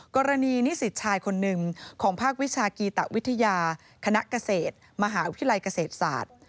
กรณีนิสิตชายคนหนึ่งของภาควิชากีตวิทยาคณะเกษตรมหาวิทยาลัยเกษตรศาสตร์